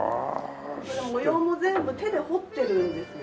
これ模様も全部手で彫ってるんですよ。